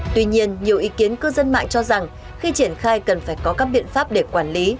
tuy nhiên nhiều ý kiến cư dân mạng cho rằng khi triển khai cần phải có các biện pháp để quản lý